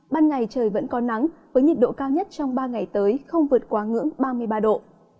ban ngày trời vẫn có nắng với nhiệt độ cao nhất trong ba ngày tới không vượt quá ngưỡng ba mươi ba độ